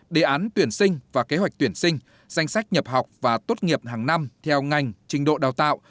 đề án tuyển sinh và kế hoạch tuyển sinh danh sách nhập học và tốt nghiệp hàng năm theo ngành trình độ đào tạo